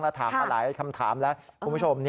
แล้วถามมาหลายคำถามแล้ว